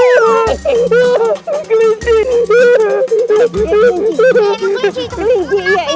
itu kelinci itu kelinci